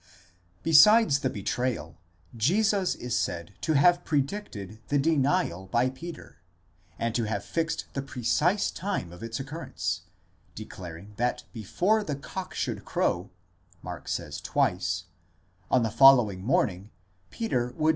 Besides the betrayal, Jesus is said to have predicted the denial by Peter, and to have fixed the precise time of its occurrence, declaring that before the cock should crow (Mark says twice) on the following morning, Peter would 8 Vid.